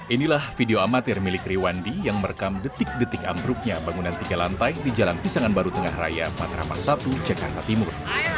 inilah video amatir milik riwandi yang merekam detik detik ambruknya bangunan tiga lantai di jalan pisangan baru tengah raya matraman satu jakarta timur